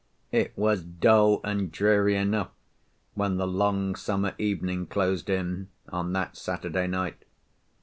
It was dull and dreary enough, when the long summer evening closed in, on that Saturday night.